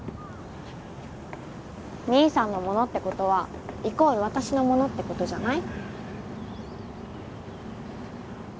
兄さんのものってことはイコール私のものってことじゃない？